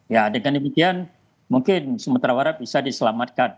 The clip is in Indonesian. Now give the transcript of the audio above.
ya dengan demikian mungkin sumatera barat bisa diselamatkan